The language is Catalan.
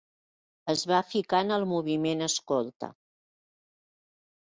Es va ficar en el moviment escolta.